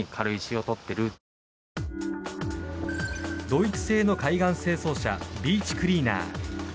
ドイツ製の海岸清掃車ビーチクリーナー。